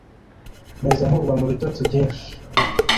Nahise nkurwa mu bitotsi byinshi